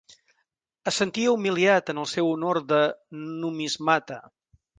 Es sentia humiliat en el seu honor de numismata.